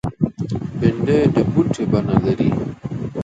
بېنډۍ د بوټي بڼه لري